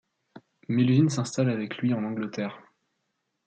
Mélusine s'installe avec lui en Angleterre.